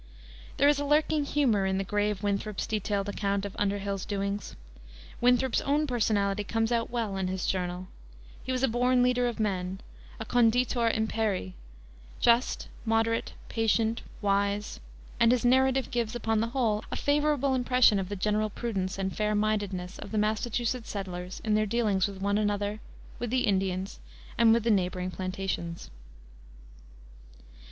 There is a lurking humor in the grave Winthrop's detailed account of Underhill's doings. Winthrop's own personality comes out well in his Journal. He was a born leader of men, a conditor imperii, just, moderate, patient, wise, and his narrative gives, upon the whole, a favorable impression of the general prudence and fair mindedness of the Massachusetts settlers in their dealings with one another, with the Indians, and with the neighboring plantations.